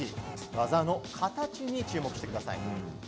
技の形に注目してください。